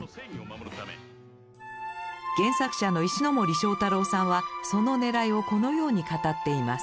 原作者の石森章太郎さんはそのねらいをこのように語っています。